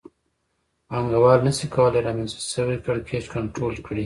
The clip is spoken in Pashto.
پانګوال نشي کولای رامنځته شوی کړکېچ کنټرول کړي